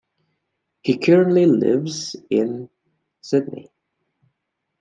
He currently lives in Sydney.